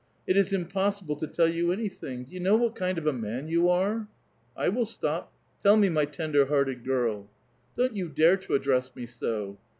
It is impossible to tell you any thing ! Do you know what kind of a man you are? " I will stop. Tell me, my tender hearted girl. " Don't vou dare to address me so